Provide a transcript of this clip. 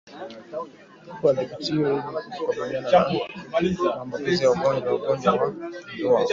Kupe wadhibitiwe ili kukabiliana na maambukizi ya ugonjwa Ugonjwa wa Ndwa